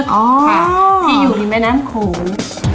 ที่อยู่ริมแม่น้ำโขง